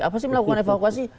apa sih melakukan evakuasi